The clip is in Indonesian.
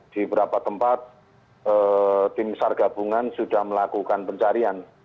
di beberapa tempat tim sar gabungan sudah melakukan pencarian